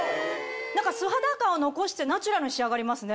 素肌感を残してナチュラルに仕上がりますね。